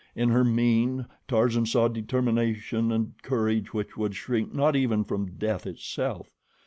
In her mien Tarzan saw determination and courage which would shrink not even from death itself.